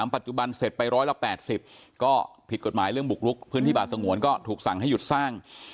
ปัจจุบันเสร็จไปร้อยละ๘๐ก็ผิดกฎหมายเรื่องบุกลุกพื้นที่ป่าสงวนก็ถูกสั่งให้หยุดสร้าง